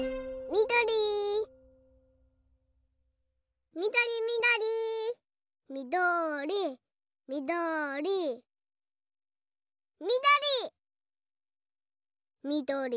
みどりみどりみどりみどり。